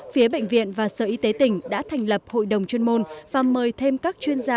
phía bệnh viện và sở y tế tỉnh đã thành lập hội đồng chuyên môn và mời thêm các chuyên gia